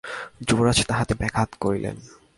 যুবরাজ তাহাতে ব্যাঘাত করিলেন।